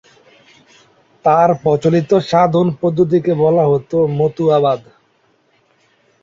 তার প্রচলিত সাধন পদ্ধতিকে বলা হতো মতুয়াবাদ।